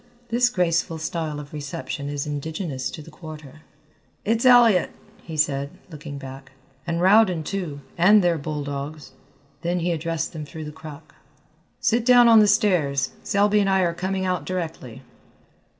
This graceful style of reception is indigenous to the Quarter. "It's Elliott," he said, looking back, "and Rowden too, and their bulldogs." Then he addressed them through the crack. "Sit down on the stairs; Selby and I are coming out directly."